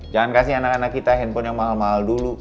jangan kasih anak anak kita handphone yang mahal mahal dulu